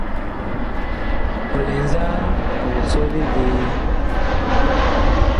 Ɔ lɛ nzaa, ɔg sɔle vee ?